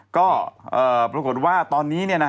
ก็ปรากฏว่าตอนนี้